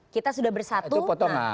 kita sudah bersatu